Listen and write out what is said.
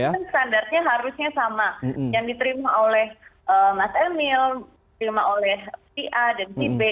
itu kan standarnya harusnya sama yang diterima oleh mas emil diterima oleh si a dan si b